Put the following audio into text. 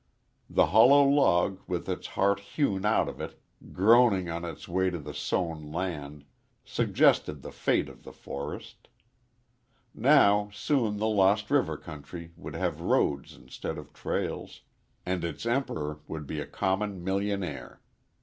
The hollow log, with its heart hewn out of it, groaning on its way to the sown land, suggested the fate of the forest. Now, soon, the Lost River country would have roads instead of trails, and its emperor would be a common millionaire.